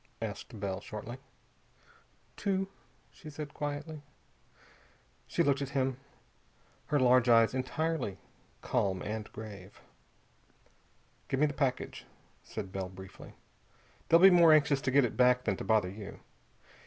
asked Bell shortly. "Two," she said quietly. She looked at him, her large eyes entirely calm and grave. "Give me the package," said Bell briefly. "They'll be more anxious to get it back than to bother you.